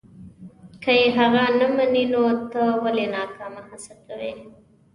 که یې هغه نه مني نو ته ولې ناکامه هڅه کوې.